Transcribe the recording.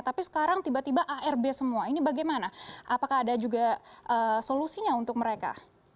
tapi sekarang tiba tiba arb semua ini bagaimana apakah ada juga solusinya untuk mereka